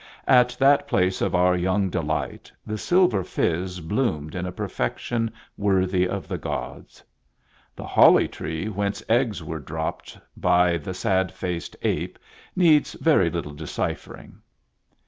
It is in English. At that place of our young delight the "Silver Fizz" bloomed in a perfection worthy of the gods. The holly tree whence eggs were dropped by the sad faced ape needs very little deciphering.